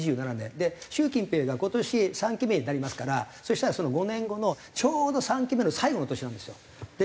習近平が今年３期目になりますからそしたら５年後のちょうど３期目の最後の年なんですよ。